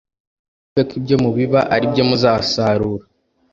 Kandi mwumve ko ibyo mubiba ari byo muzasarura